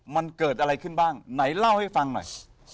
มันเกิดอะไรขึ้นบ้างไหนเล่าให้ฟังหน่อย